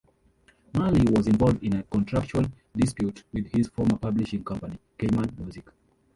Marley was involved in a contractual dispute with his former publishing company, Cayman Music.